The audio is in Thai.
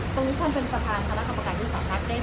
ท่านเป็นประธานคณะกรรมการยุทธศาสตร์ได้